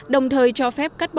đồng thời cho phép cắt bỏ